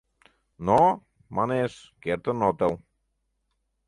Но, манеш, кертын отыл.